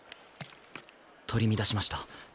取り乱しました。